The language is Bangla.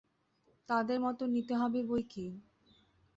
তাঁদের মত নিতে হবে বৈকি।